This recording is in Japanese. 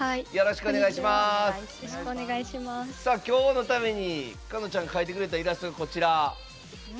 きょうのためにかのちゃん、描いてくれたイラストがこちら。